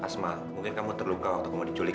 asma mungkin kamu terluka waktu kamu diculik